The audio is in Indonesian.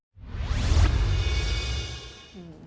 ternyata yang paling penting adalah industri